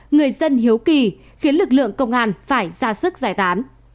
người dân hiếu kỳ khiến lực lượng công an phải ra sức giải tán